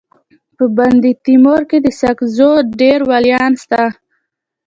په بندتیمور کي د ساکزو ډير ولیان سته.